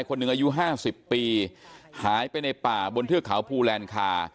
คนหนึ่งอายุ๕๐ปีหายไปในป่าบนเทือกเขาภูแลนคา